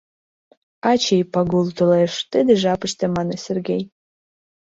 — Ачый, Пагул толеш, — тиде жапыште мане Сергей.